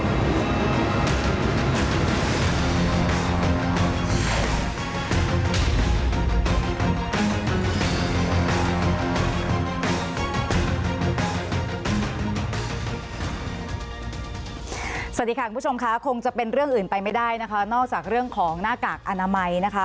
สวัสดีค่ะคุณผู้ชมค่ะคงจะเป็นเรื่องอื่นไปไม่ได้นะคะนอกจากเรื่องของหน้ากากอนามัยนะคะ